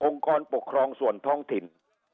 กรปกครองส่วนท้องถิ่น